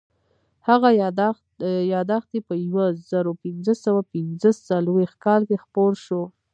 هغه یادښت یې په یو زرو پینځه سوه پینځه څلوېښت کال کې خپور شو.